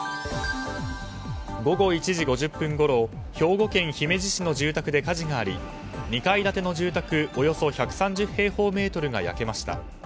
午後１時５０分ごろ兵庫県姫路市の住宅で火事があり２階建ての住宅およそ１３０平方メートルが焼けました。